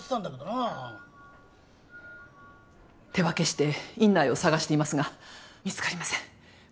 手分けして院内を捜していますが見つかりません。